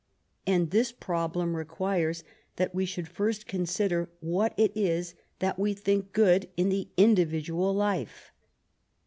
And this problem requires that we should first consider what it is that we think good in the individual life.